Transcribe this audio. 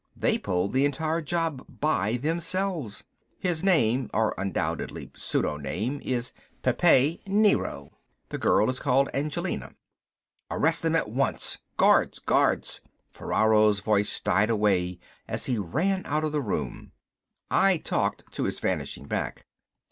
They pulled the entire job by themselves. His name, or undoubtedly pseudoname, is Pepe Nero. The girl is called Angelina...." "Arrest them at once! Guards ... guards " Ferraro's voice died away as he ran out of the room. I talked to his vanishing back.